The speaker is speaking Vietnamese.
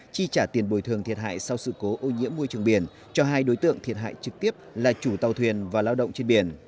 chi trả tiền bồi thường thiệt hại sau sự cố ô nhiễm môi trường biển cho hai đối tượng thiệt hại trực tiếp là chủ tàu thuyền và lao động trên biển